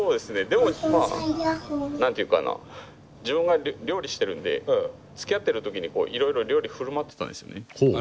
でも自分は何て言うかな自分が料理してるんでつきあってる時にいろいろ料理振る舞ってたんですよね。